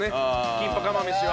キンパ釜飯は。